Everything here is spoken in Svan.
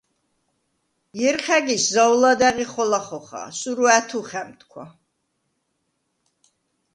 ჲერხ’ა̈გის ზაუ̂ლადა̈ღი ხოლა ხოხა: სურუ ა̈თუ ხა̈მთქუ̂ა.